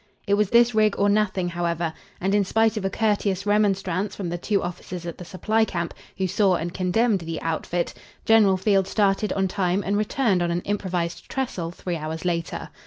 It was this rig or nothing, however; and, in spite of a courteous remonstrance from the two officers at the supply camp, who saw and condemned the "outfit," General Field started on time and returned on an improvised trestle three hours later.